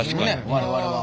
我々は。